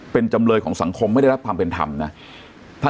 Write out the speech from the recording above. เป็นจำเลยของสังคมไม่ได้รับความเป็นธรรมนะ